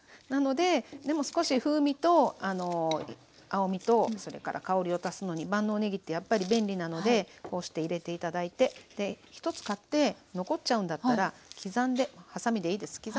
なのででも少し風味と青みとそれから香りを足すのに万能ねぎってやっぱり便利なのでこうして入れて頂いてで１つ買って残っちゃうんだったらはさみでいいです